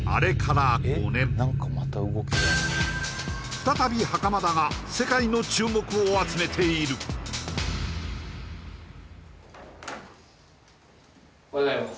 再び袴田が世界の注目を集めているおはようございます